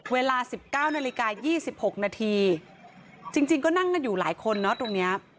เวลา๑๙นาฬิกา๒๖นาทีจริงก็นั่งกันอยู่หลายคนเนาะตรงนี้